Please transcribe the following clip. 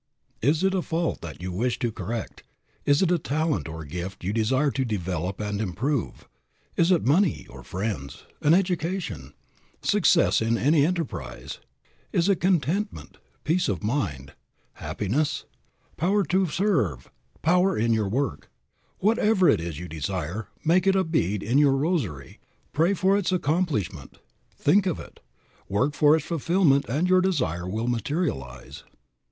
Is it a fault you wish to correct; is it a talent or gift you desire to develop and improve; is it money, or friends, an education, success in any enterprise; is it contentment, peace of mind, happiness, power to serve, power in your work, whatever it is you desire, make it a bead in your rosary, pray for its accomplishment, think of it, work for its fulfillment and your desire will materialize.